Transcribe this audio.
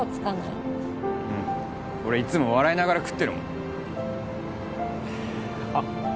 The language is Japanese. うん俺いっつも笑いながら食ってるもんあっ